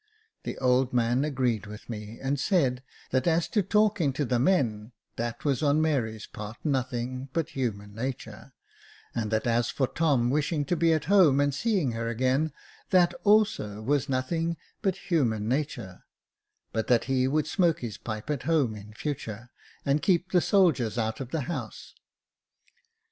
The old man agreed with me and said, that as to talking to the men, that was on Mary's part nothing but "human natur;" and that as for Tom wishing to be at home and seeing her again, that also was nothing but " human natur ;" but that he would smoke his pipe at home in future, and keep the soldiers out of the house.